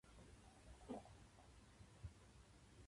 コツコツ貯金することは大切です